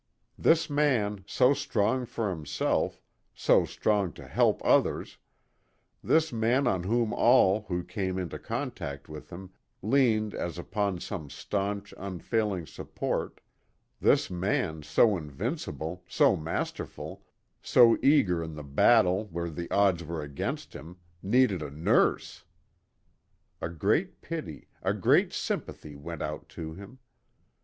This man, so strong for himself, so strong to help others this man, on whom all who came into contact with him leaned as upon some staunch, unfailing support this man, so invincible, so masterful, so eager in the battle where the odds were against him, needed a nurse! A great pity, a great sympathy, went out to him.